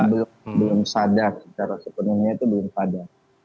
belum sadar secara sepenuhnya itu belum ada